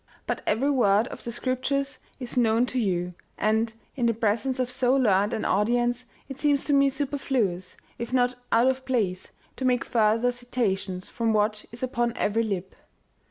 But every word of the Scriptures is known to you, and, in the presence of so learned an audience, it seems to me superfluous, if not out of place, to make further citations from what is upon every lip."